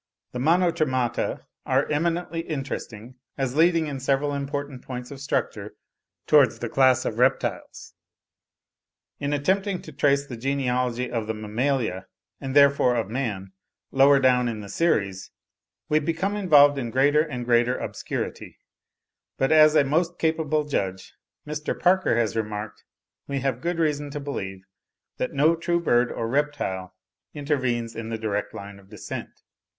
The Monotremata are eminently interesting, as leading in several important points of structure towards the class of reptiles. In attempting to trace the genealogy of the Mammalia, and therefore of man, lower down in the series, we become involved in greater and greater obscurity; but as a most capable judge, Mr. Parker, has remarked, we have good reason to believe, that no true bird or reptile intervenes in the direct line of descent.